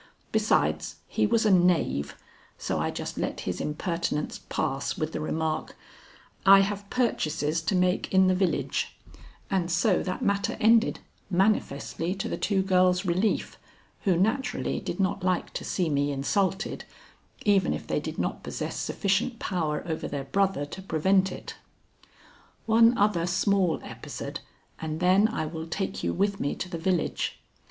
Besides, he was a knave; so I just let his impertinence pass with the remark: "I have purchases to make in the village": and so that matter ended, manifestly to the two girls' relief, who naturally did not like to see me insulted, even if they did not possess sufficient power over their brother to prevent it. One other small episode and then I will take you with me to the village.